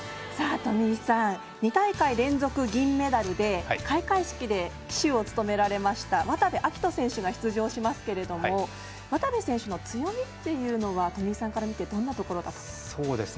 富井さん、２大会連続銀メダルで開会式で旗手を務められました渡部暁斗選手が出場しますけど渡部選手の強みというのは富井さんから見てどんなところが？